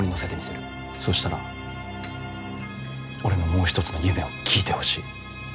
そうしたら俺のもう一つの夢を聞いてほしい。